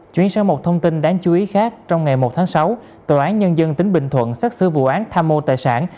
chuyển sang một thông tin đáng chú ý khác trong ngày một tháng sáu tòa án nhân dân tỉnh bình thuận xác xử vụ án tham mô tài sản